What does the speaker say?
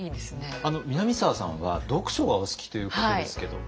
南沢さんは読書がお好きということですけど。